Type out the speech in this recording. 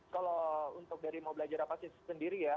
kalau untuk dari mau belajar rapat sendiri ya